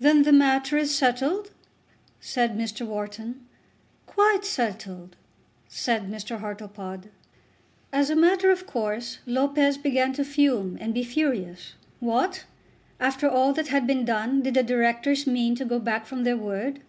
"Then the matter is settled?" said Mr. Wharton. "Quite settled," said Mr. Hartlepod. As a matter of course Lopez began to fume and to be furious. What! after all that had been done did the Directors mean to go back from their word?